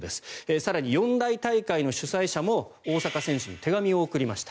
更に、四大大会の主催者も大坂選手に手紙を送りました。